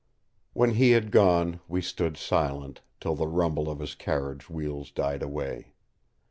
When he had gone we stood silent, till the rumble of his carriage wheels died away.